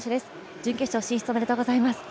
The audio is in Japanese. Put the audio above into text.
準決勝進出おめでとうございます。